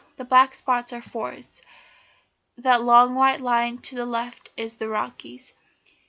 The black spots are forests. That long white line to the left is the Rockies.